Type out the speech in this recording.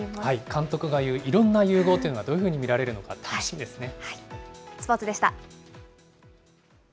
監督が言ういろんな融合というのが、どういうふうに見られるスポーツでした。